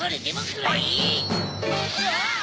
うわ！